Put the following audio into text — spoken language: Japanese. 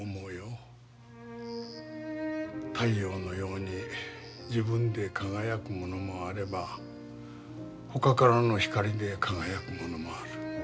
太陽のように自分で輝くものもあればほかからの光で輝くものもある。